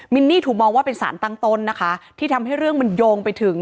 นี่ถูกมองว่าเป็นสารตั้งต้นนะคะที่ทำให้เรื่องมันโยงไปถึง